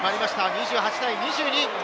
２８対２２。